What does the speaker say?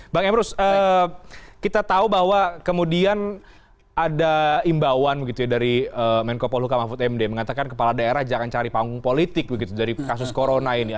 bang emrus kita tahu bahwa kemudian ada imbauan begitu ya dari menko poluka mahfud md mengatakan kepala daerah jangan cari panggung politik begitu dari kasus corona ini